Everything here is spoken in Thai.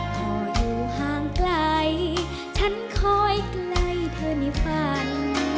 ขออยู่ห่างไกลฉันคอยไกลเธอในฝัน